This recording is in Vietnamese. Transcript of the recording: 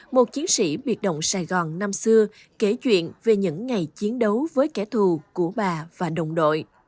một chiến sĩ biệt động sài gòn năm xưa kể chuyện về những ngày chiến đấu với kẻ thù của bà và đồng đội